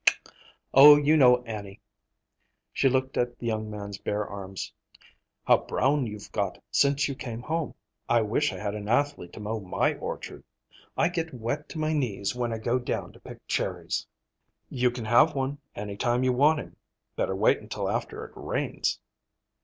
"Oh, you know Annie!" She looked at the young man's bare arms. "How brown you've got since you came home. I wish I had an athlete to mow my orchard. I get wet to my knees when I go down to pick cherries." "You can have one, any time you want him. Better wait until after it rains."